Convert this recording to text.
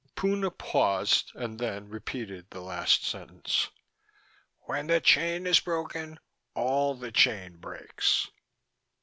Puna paused, and then repeated the last sentence. "When the chain is broken all the chain breaks."